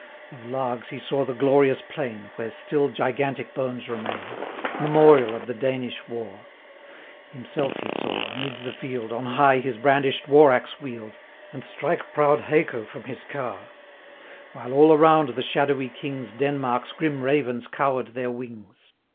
Of Largs he saw the glorious plain, Where still gigantic bones remain, Memorial of the Danish war; Himself he saw, amid the field, 475 On high his brandish'd war axe wield, And strike proud Haco from his car, While all around the shadowy Kings Denmark's grim ravens cower'd their wings.